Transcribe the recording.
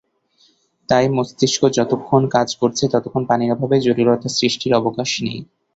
তাই মস্তিষ্ক যতক্ষণ কাজ করছে, ততক্ষণ পানির অভাবে জটিলতা সৃষ্টির অবকাশ নেই।